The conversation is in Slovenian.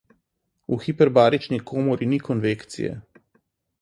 V hiperbarični komori ni konvekcije.